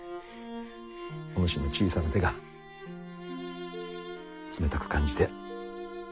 お主の小さな手が冷たく感じて。